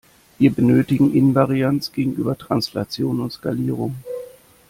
Wir benötigen Invarianz gegenüber Translation und Skalierung.